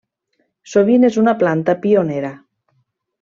Sovint és una planta pionera.